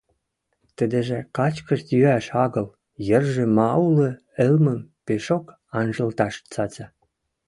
Тӹдӹжӹ качкаш-йӱӓш агыл, йӹржӹ ма улы ылмым пишок анжылташ цаца.